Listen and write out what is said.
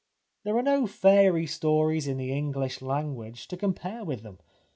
There are no fairy stories in the English language to compare with them.